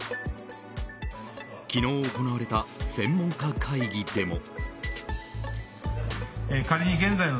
昨日、行われた専門家会議でも。